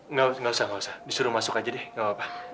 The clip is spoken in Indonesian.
nggak usah nggak usah disuruh masuk aja deh gak apa apa